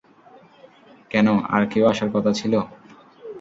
কেন আর কেউ আসার কথা ছিলো?